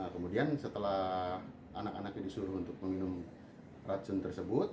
kemudian setelah anak anaknya disuruh untuk meminum racun tersebut